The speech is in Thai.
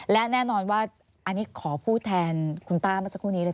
และแน่นอนว่าอันนี้ขอพูดแทนคุณป้าเมื่อสักครู่นี้เลย